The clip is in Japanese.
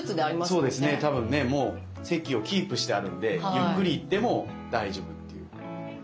そうですね多分ねもう席をキープしてあるんでゆっくり行っても大丈夫っていう。